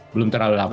belum terlalu lapar